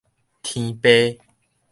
天爸